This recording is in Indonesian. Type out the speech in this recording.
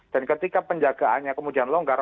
dan ketika penjagaannya kemudian longgar